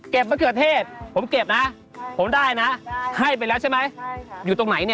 มะเขือเทศผมเก็บนะผมได้นะให้ไปแล้วใช่ไหมอยู่ตรงไหนเนี่ย